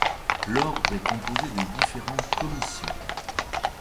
L'ordre est composé de différentes commissions.